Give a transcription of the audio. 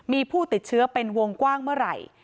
มีผู้ติดเชื้อเป็นวงกว้างเมื่อไหร่